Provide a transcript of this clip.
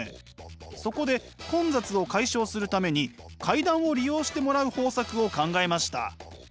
そこで混雑を解消するために階段を利用してもらう方策を考えました。